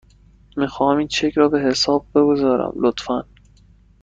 میخواهم این چک را به حساب بگذارم، لطفاً.